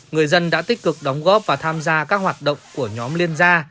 người dân đã tích cực đóng góp và tham gia các hoạt động của nhóm liên gia